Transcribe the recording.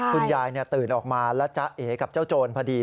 คุณยายตื่นออกมาแล้วจะเอ๋กับเจ้าโจรพอดี